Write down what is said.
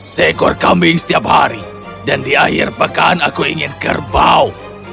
seekor kambing setiap hari dan di akhir pekan aku ingin kerbau